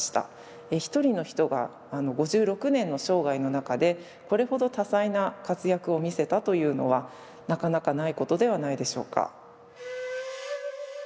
一人の人が５６年の生涯の中でこれほど多彩な活躍を見せたというのはなかなかないことではないでしょうか。